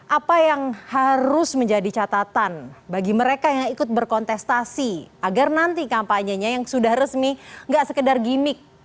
apa yang harus menjadi catatan bagi mereka yang ikut berkontestasi agar nanti kampanyenya yang sudah resmi nggak sekedar gimmick